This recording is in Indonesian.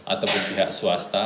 ataupun pihak swasta